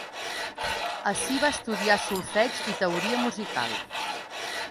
Ací va estudiar solfeig i teoria musical.